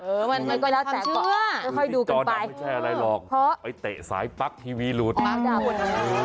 มันมีความเชื่อคือจอดำไม่ใช่อะไรหรอกไปเตะสายปั๊กทีวีหลุดปั๊กหมด